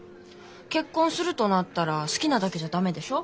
結婚するとなったら好きなだけじゃ駄目でしょう？